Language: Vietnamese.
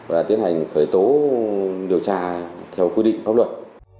và tiến hành khởi tố điều tra theo quy định pháp luật